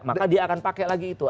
maka dia akan pakai lagi itu